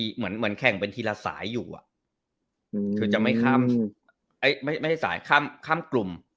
เหมือนแข่งเป็นทีละสายอยู่คือจะไม่ข้ามกลุ่ม